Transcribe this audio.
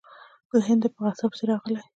له هنده په غزا پسې راغلی.